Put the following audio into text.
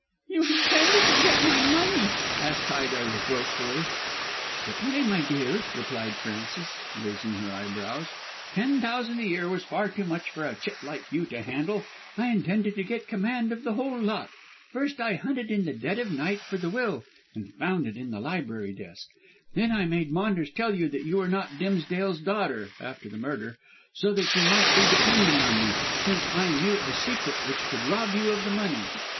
"You intended to get my money?" asked Ida reproachfully. "Certainly, my dear," replied Frances, raising her eyebrows. "Ten thousand a year was far too much for a chit like you to handle. I intended to get command of the whole lot. First I hunted in the dead of night for the will, and found it in the library desk. Then I made Maunders tell you that you were not Dimsdale's daughter, after the murder, so that you might be dependent on me, since I knew a secret which could rob you of the money.